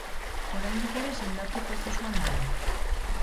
Oraindik ere sendatze prosezuan dago.